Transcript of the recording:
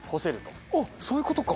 あっそういう事か！